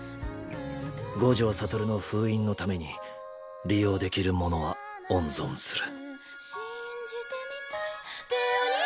五条悟の封印のために利用できるものは温存する。